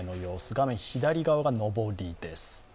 画面左側が上りです。